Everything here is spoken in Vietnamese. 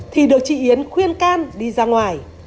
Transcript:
thì được chị yến khuyên can đi ra ngoài